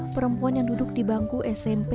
perempuan yang duduk di bangku smp